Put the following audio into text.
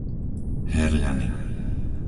Herľany